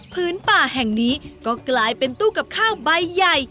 พื้นป่าแห่งนี้ก็กลายเป็นตู้กับข้าวใบใหญ่